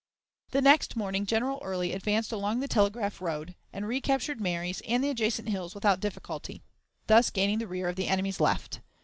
The next morning General Early advanced along the Telegraph road, and recaptured Marye's and the adjacent hills without difficulty, thus gaining the rear of the enemy's left.